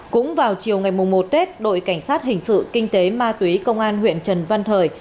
cũng vào chiều ngày một tết đội cảnh sát hình sự kinh tế ma túy công an huyện trần văn thời